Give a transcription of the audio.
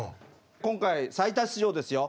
今回最多出場ですよ。